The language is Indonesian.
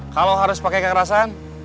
kalau harus pakai kekerasan